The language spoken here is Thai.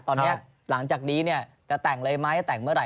ตอนนี้หลังจากนี้จะแต่งเลยไหมจะแต่งเมื่อไห